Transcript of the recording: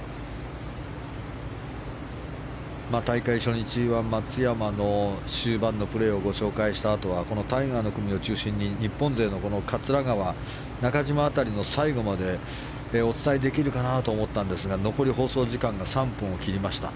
大会初日は松山の終盤のプレーをご紹介したあとはこのタイガーの組を中心に日本勢の桂川、中島辺りの最後までお伝えできるかなと思ったんですが残り放送時間が３分を切りました。